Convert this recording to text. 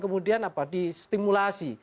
kemudian apa distimulasi